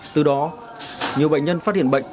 từ đó nhiều bệnh nhân phát hiện bệnh